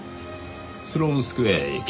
スローンスクエア駅。